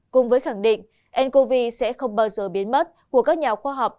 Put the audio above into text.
cùng với khẳng định ncov sẽ không bao giờ biến mất của các nhà khoa học